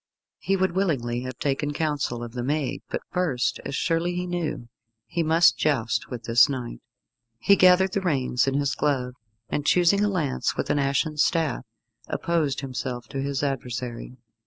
He would willingly have taken counsel of the maiden, but first, as surely he knew, he must joust with this knight. He gathered the reins in his glove, and choosing a lance with an ashen staff, opposed himself to his adversary.